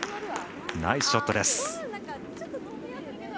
ナイスショットです。